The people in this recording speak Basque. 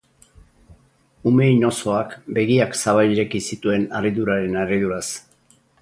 Ume inozoak begiak zabal ireki zituen harriduraren harriduraz.